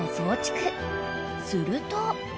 ［すると］